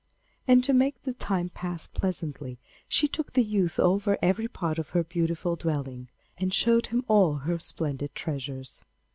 And to make the time pass pleasantly, she took the youth over every part of her beautiful dwelling, and showed him all her splendid treasures.